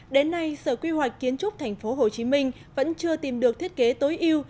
đến nay sở quy hoạch kiến trúc tp hcm vẫn chưa tìm được thiết kế tối yêu